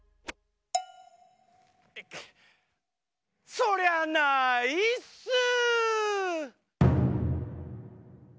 そりゃないっすー！